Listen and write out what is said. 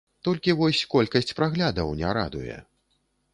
Толькі вось колькасць праглядаў не радуе.